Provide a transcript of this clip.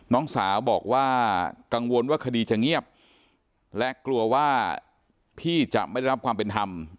น้องสาวบอกว่ากังวลว่าคดีจะเงียบและกลัวว่าพี่จะไม่ได้รับความเป็นธรรม